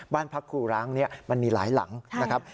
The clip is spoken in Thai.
บ้านพักครูร้างนี้มันมีหลายหลังนะครับ